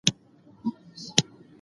موږ باید له انټرنیټ څخه مثبت کار واخلو.